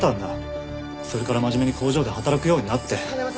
それから真面目に工場で働くようになって。